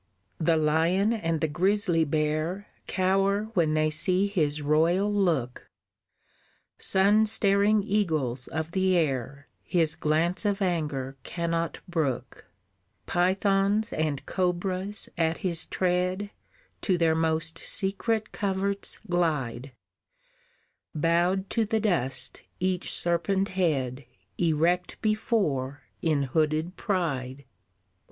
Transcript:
"The lion and the grisly bear Cower when they see his royal look, Sun staring eagles of the air His glance of anger cannot brook, Pythons and cobras at his tread To their most secret coverts glide, Bowed to the dust each serpent head Erect before in hooded pride.